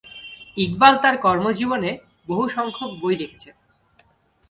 ইকবাল তার কর্মজীবনে বহু সংখ্যক বই লিখেছেন।